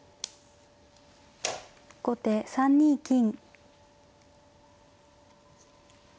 後手３二金。